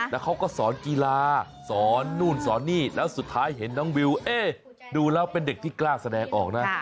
แล้วเขาก็สอนกีฬาสอนนู่นสอนนี่แล้วสุดท้ายเห็นน้องวิวดูแล้วเป็นเด็กที่กล้าแสดงออกนะ